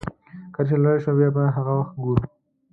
کله چې لويه شوه بيا به هغه وخت ګورو.